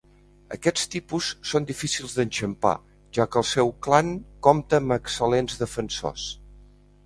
Aquests tipus són difícils d'enxampar, ja que el seu clan compta amb excel·lents defensors.